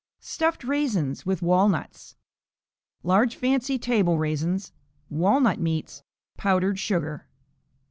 Stuffed Raisins with Walnuts Large fancy table raisins. Walnut meats. Powdered sugar.